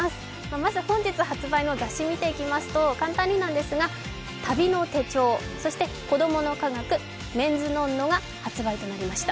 まず本日発売の雑誌を見ていきますと、簡単になんですが「旅の手帖」、「こどものかがく」、「ＭＥＮ’ＳＮＯＮ−ＮＯ」が発売となりました。